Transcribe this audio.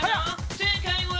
正解は」